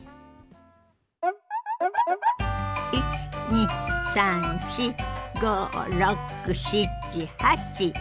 １２３４５６７８。